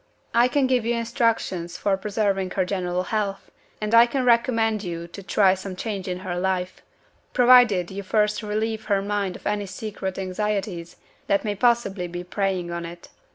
I can give you instructions for preserving her general health; and I can recommend you to try some change in her life provided you first relieve her mind of any secret anxieties that may possibly be preying on it.